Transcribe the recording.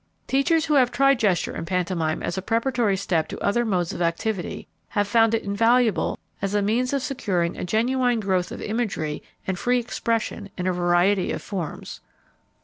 Teachers who have tried gesture and pantomime as a preparatory step to other modes of activity have found it invaluable as a means of securing a genuine growth of imagery and free expression in a variety of forms.